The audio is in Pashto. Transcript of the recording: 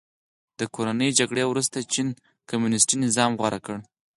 د کورنۍ جګړې وروسته چین کمونیستي نظام غوره کړ.